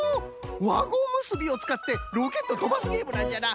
わゴむすびをつかってロケットをとばすゲームなんじゃな！